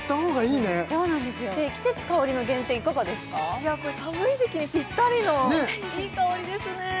いやこれ寒い時期にぴったりのいい香りですね